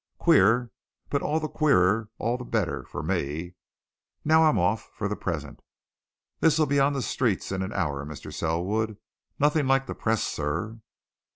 Queer! But all the queerer, all the better for me! Now I'm off for the present. This'll be on the streets in an hour, Mr. Selwood. Nothing like the press, sir!"